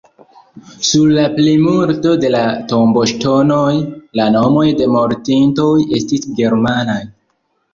Sur la plimulto de la tomboŝtonoj, la nomoj de mortintoj estis germanaj.